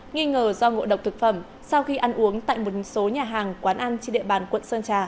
nghi ngờ do ngộ độc thực phẩm sau khi ăn uống tại một số nhà hàng quán ăn trên địa bàn quận sơn trà